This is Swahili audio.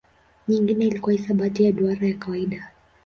Nyingine ilikuwa hisabati ya duara ya kawaida.